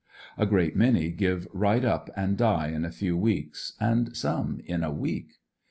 A great many give right up and die in a f e w weeks, and some in a week.